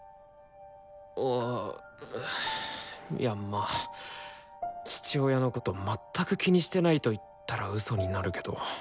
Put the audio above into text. あいやまあ父親のこと全く気にしてないと言ったらウソになるけど。